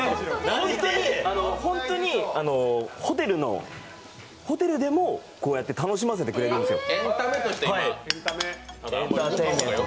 ホントにホテルでもこうやって楽しませてくれるんですよ。